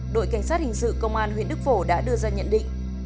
đội cảnh sát hình sự công an huyện đức phổ đã đưa ra nhận định